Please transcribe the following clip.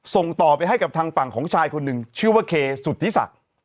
ส่งต่อไปให้กับทางฝั่งของชายคนหนึ่งชื่อว่าเคสุธิศักดิ์